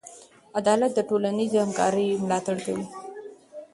عدالت د ټولنیز همکارۍ ملاتړ کوي.